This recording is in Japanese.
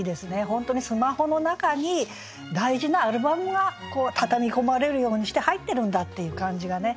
本当にスマホの中に大事なアルバムがたたみ込まれるようにして入ってるんだっていう感じがね。